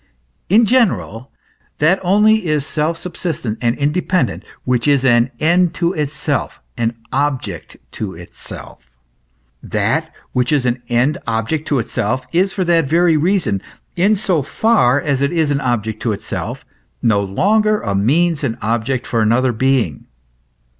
In general : that only is self subsistent and independent which is an end to itself, an object to itself. That which is an end and object to itself, is for that very reason in so far as it is an object to itself no longer a means and object for another being.